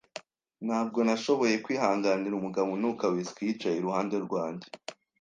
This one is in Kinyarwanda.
Ntabwo nashoboye kwihanganira umugabo unuka whisky yicaye iruhande rwanjye.